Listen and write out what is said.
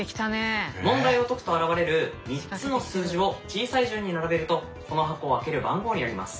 問題を解くと現れる３つの数字を小さい順に並べるとこの箱を開ける番号になります。